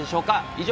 以上。